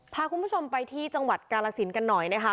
พาคุณผู้ชมไปที่จังหวัดกาลสินกันหน่อยนะคะ